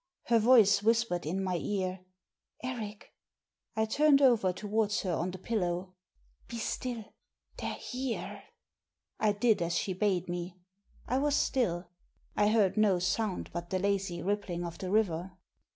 Her voice whispered in my ear, '* Eric !" I turned over towards her on the pillow. " Be stilL They're here." I did as she bade me. I was stilL I heard no sound but the lazy rippling of the river.